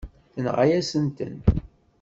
Tenɣa-yasen-ten.